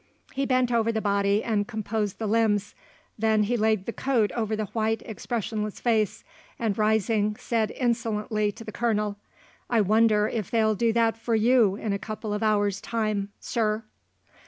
He bent over the body and composed the limbs; then he laid the coat over the white expressionless face, and rising said insolently to the Colonel: "I wonder if they'll do that for you in a couple of hours' time, Sir."